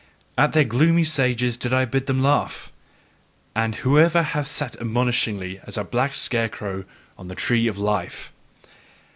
At their gloomy sages did I bid them laugh, and whoever had sat admonishing as a black scarecrow on the tree of life.